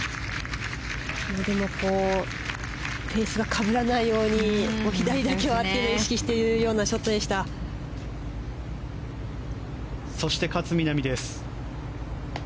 でもフェースが被らないように左だけはというのを意識しているようなそして、勝みなみです。